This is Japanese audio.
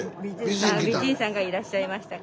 あ美人さんがいらっしゃいましたか。